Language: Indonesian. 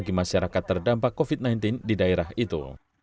bagi masyarakat terdampak covid sembilan belas di daerah itu